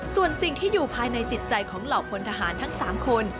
ส่วนสิ่งที่อยู่ภายในจิตใจของเหล่าพลทหารทั้ง๓คน